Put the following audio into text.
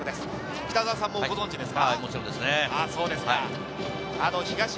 北澤さんもご存じですか？